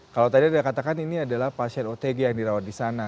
kalau tadi ada yang katakan ini adalah pasien otg yang dirawat disana